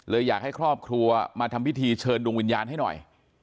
อยากให้ครอบครัวมาทำพิธีเชิญดวงวิญญาณให้หน่อย